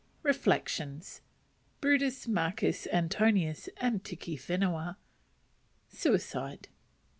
Reflections. Brutus, Marcus Antonius, and Tiki Whenua. Suicide.